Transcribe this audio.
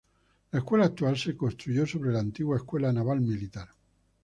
La Escuela actual se construyó sobre la antigua Escuela Naval Militar.